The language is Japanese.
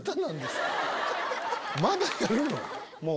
まだやるの？